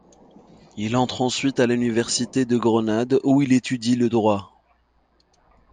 Il entre ensuite à l'université de Grenade où il étudie le droit.